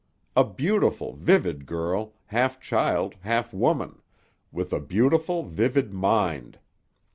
A beautiful vivid girl, half child, half woman; with a beautiful vivid mind.